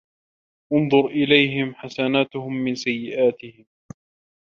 اُنْظُرْ إلَيْهِمْ حَسَنَاتُهُمْ مِنْ سَيِّئَاتِهِمْ